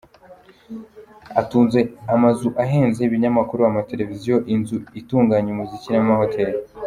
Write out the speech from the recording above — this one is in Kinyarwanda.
Atunze amazu ahenze, ibinyamakuru, amateleviziyo, inzu itunganya umuziki n’amahoteli.